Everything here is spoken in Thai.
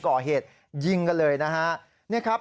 ก่อเหตุยิงกันเลยนะฮะ